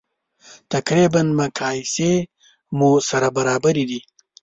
تقریبا مقایسې مو سره برابرې دي.